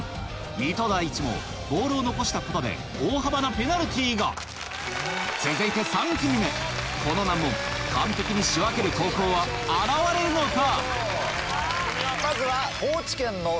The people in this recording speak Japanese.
水戸第一もボールを残したことで大幅なペナルティーが続いて３組目この難問完璧に仕分ける高校は現れるのかまずは。